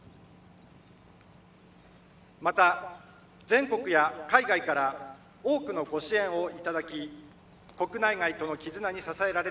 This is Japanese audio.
また全国や海外から多くのご支援を頂き国内外との絆に支えられてまいりました。